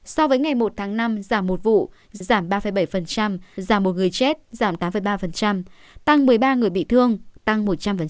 so với ngày một tháng năm giảm một vụ giảm ba bảy giảm một người chết giảm tám ba tăng một mươi ba người bị thương tăng một trăm linh